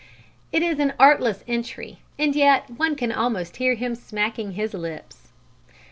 It is an artless entry, and yet one can almost hear him smacking his lips.